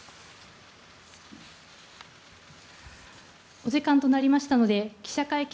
お時間となりましたので記者会見